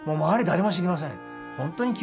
誰も知りません。